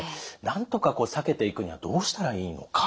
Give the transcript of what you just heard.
なんとか避けていくにはどうしたらいいのか。